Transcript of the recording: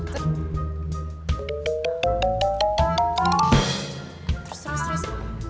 terus terus terus